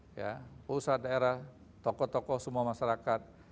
pusat daerah tokoh tokoh semua masyarakat